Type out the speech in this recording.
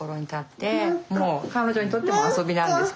もう彼女にとっても遊びなんですけど。